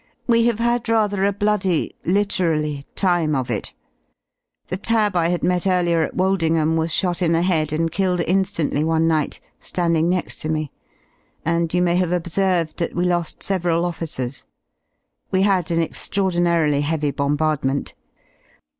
We have had rather a bloody — literally — time of it. The Tab. I had met early at Woldingham was shot in the head and killed in^antly one night landing next to ^ me, and you may have observed that we lo^ several officers. We had an extraordinarily heavy bombardment.